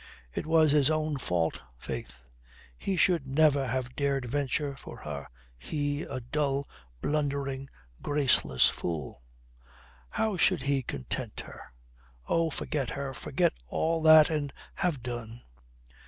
It was his own fault, faith. He should never have dared venture for her, he, a dull, blundering, graceless fool. How should he content her? Oh, forget her, forget all that and have done.